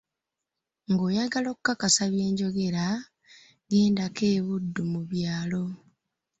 "Nga oyagala okukakasa byenjogera, gendako e Buddu mu byalo."